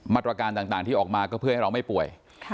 มาตรการต่างที่ออกมาก็เพื่อให้เราไม่ป่วย